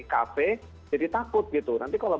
kafe jadi takut gitu nanti kalau